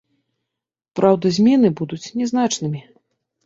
Праўда, змены будуць нязначнымі.